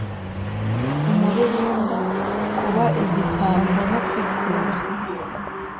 umururumba, kuba igisambo, no kwikubira.